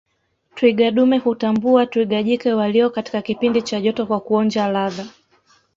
Twiga dume hutambua twiga jike walio katika kipindi cha joto kwa kuonja ladha